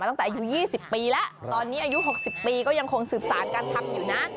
ตั้งแต่อายุ๒๐ปีแล้วตอนนี้อายุ๖๐ปีก็ยังคงสืบสารการทำอยู่นะ